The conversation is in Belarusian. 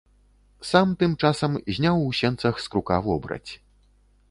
Сам тым часам зняў у сенцах з крука вобраць.